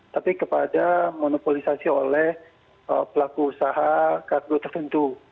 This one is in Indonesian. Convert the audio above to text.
tapi kepada monopolisasi oleh pelaku usaha kargo tertentu